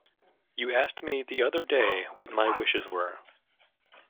You asked me the other day what my wishes were.